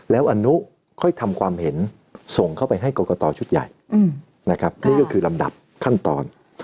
แล้วอนุค่อยทำความเห็นส่งเข้าไปให้กรกตชุดใหญ่นะครับนี่ก็คือลำดับขั้นตอน